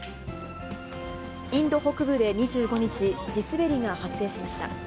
インド北部で２５日、地滑りが発生しました。